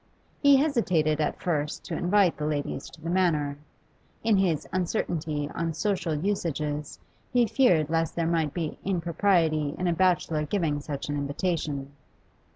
He hesitated at first to invite the ladies to the Manor; in his uncertainty on social usages he feared lest there might be impropriety in a bachelor giving such an invitation.